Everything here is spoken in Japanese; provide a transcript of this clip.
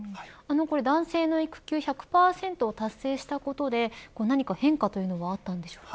男性の育休１００％を達成したことで何か変化というのはあったんでしょうか。